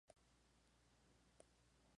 El cráter es un maar.